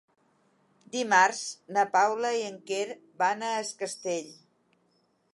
Dimarts na Paula i en Quer van a Es Castell.